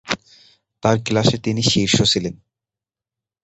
তার ক্লাসে তিনি শীর্ষ ছিলেন।